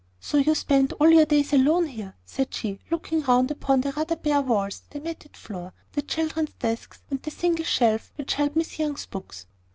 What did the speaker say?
"So you spend all your days alone here," said she, looking round upon the rather bare walls, the matted floor, the children's desks, and the single shelf which held Miss Young's books.